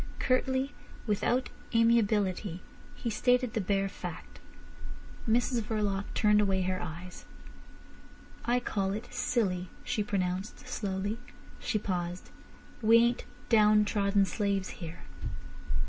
Curtly, without amiability, he stated the bare fact. Mrs Verloc turned away her eyes. "I call it silly," she pronounced slowly. She paused. "We ain't downtrodden slaves here."